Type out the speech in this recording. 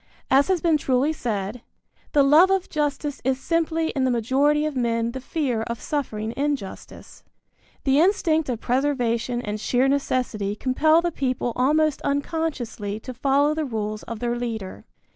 As has been truly said: "The love of justice is simply in the majority of men the fear of suffering injustice." The instinct of preservation and sheer necessity compel the people almost unconsciously to follow the rules of their leader.